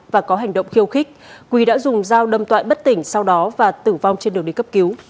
và có hành động khiêu khích quỳ đã dùng dao đâm tọa bất tỉnh sau đó và tử vong trên đường đi cấp cứu